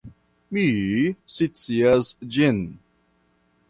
Mi scias ĝin.